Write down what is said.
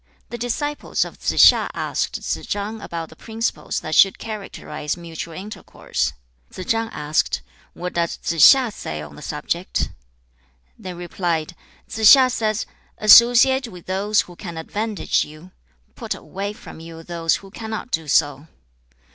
The disciples of Tsze hsia asked Tsze chang about the principles that should characterize mutual intercourse. Tsze chang asked, 'What does Tsze hsia say on the subject?' They replied, 'Tsze hsia says: "Associate with those who can advantage you. Put away from you those who cannot do so."'